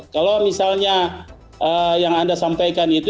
kalau misalnya yang anda sampaikan itu